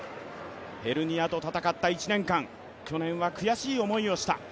ヘルニアと戦った１年間、去年は悔しい思いをした。